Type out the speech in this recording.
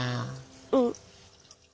うん。